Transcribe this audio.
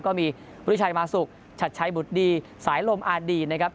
ก็มีวุฒิชัยมาสุกฉัดใช้บุตรดีสายลมอาร์ดี